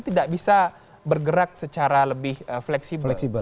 tidak bisa bergerak secara lebih fleksibel